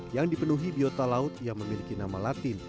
yang dipenuhi biota laut yang memiliki nama latin